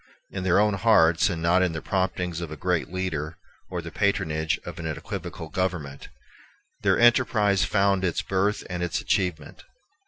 In their own hearts, and not in the promptings of a great leader or the patronage of an equivocal government, their enterprise found its birth and its achievement.